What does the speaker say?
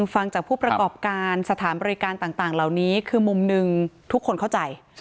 ฟังจากผู้ประกอบการสถานบริการต่างเหล่านี้คือมุมหนึ่งทุกคนเข้าใจ